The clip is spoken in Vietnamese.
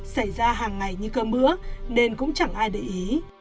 xảy ra hàng ngày như cơm bữa nên cũng chẳng ai để ý